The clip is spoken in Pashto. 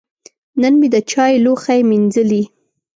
نن مې د چای لوښی مینځلي.